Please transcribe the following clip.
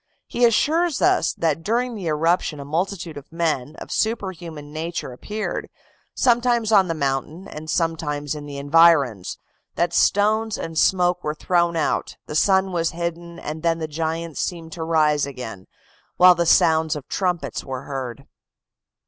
He assures us that during the eruption a multitude of men of superhuman nature appeared, sometimes on the mountain and sometimes in the environs, that stones and smoke were thrown out, the sun was hidden, and then the giants seemed to rise again, while the sounds of trumpets were heard.